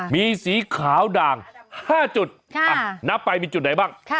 มีสีขาวด่าง๕จุดนับไปมีจุดไหนบ้าง